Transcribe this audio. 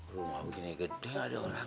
rumah begini gede ada orang